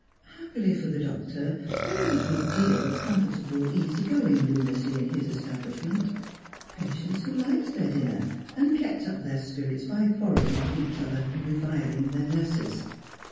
Happily for the doctor there was a good deal of comfortable easy going lunacy in his establishment, patients who liked their dinner, and kept up their spirits by quarrelling with each other and reviling their nurses.